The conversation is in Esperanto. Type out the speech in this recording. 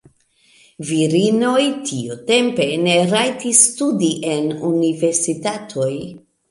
Virinoj tiutempe ne rajtis studi en universitatoj.